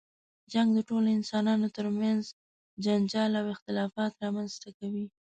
جنګ د ټولو انسانانو تر منځ جنجال او اختلافات رامنځته کوي.